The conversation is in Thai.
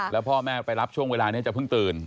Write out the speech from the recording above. แล้วพ่อแม่ไปรับช่วงเวลานี้จะเพิ่งตื่น